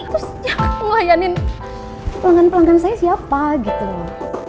terus dia ngelayanin pelanggan pelanggan saya siapa gitu loh